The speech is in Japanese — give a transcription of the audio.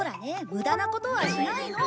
無駄なことはしないの。